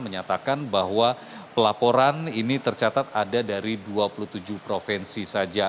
menyatakan bahwa pelaporan ini tercatat ada dari dua puluh tujuh provinsi saja